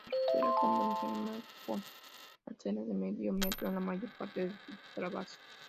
Carretera convencional con arcenes de medio metro en la mayor parte de su trazado.